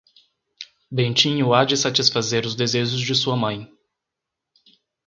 Bentinho há de satisfazer os desejos de sua mãe.